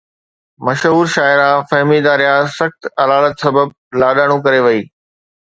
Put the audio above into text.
مشهور شاعره فهميده رياض سخت علالت سبب لاڏاڻو ڪري وئي